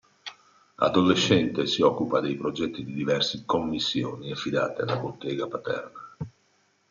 Adolescente si occupa dei progetti di diverse commissioni affidate alla bottega paterna.